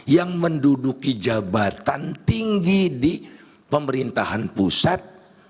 yang menduduki jabatan tinggi di pemerintahan pusat